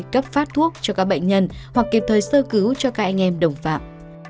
cấp phát thuốc cho các bệnh nhân hoặc kịp thời sơ cứu cho các anh em đồng phạm